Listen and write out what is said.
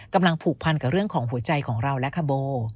กำลังผูกพันกับเรื่องของหัวใจของเราและคาโบ